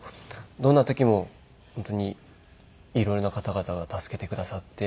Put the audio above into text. どんな時も本当に色々な方々が助けてくださって。